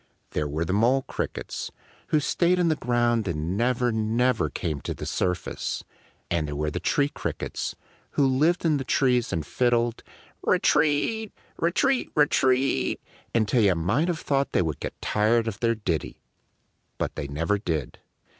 There were the Mole Crickets, who stayed in the ground and never, never came to the surface; and there were the Tree Crickets, who lived in the trees and fiddled re teat! re teat re teat! until you might have thought they would get tired of their ditty. But they never did.